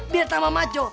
biar tambah maco